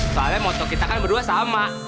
soalnya moto kita kan berdua sama